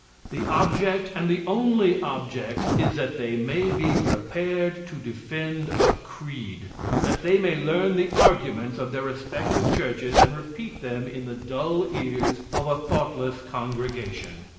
The object, and the only object, is that they may be prepared to defend a creed. That they may learn the arguments of their respective churches and repeat them in the dull ears of a thoughtless congregation.